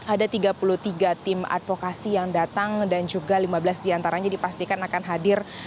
ada tiga puluh tiga tim advokasi yang datang dan juga lima belas diantaranya dipastikan akan hadir